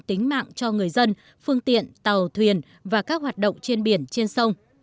tính mạng cho người dân phương tiện tàu thuyền và các hoạt động trên biển trên sông